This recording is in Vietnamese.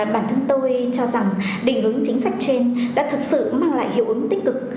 bản thân tôi cho rằng định hướng chính sách trên đã thật sự mang lại hiệu ứng tích cực